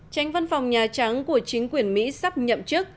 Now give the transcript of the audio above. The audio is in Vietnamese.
tránh văn phòng nhà trắng của chính quyền mỹ sắp nhậm chức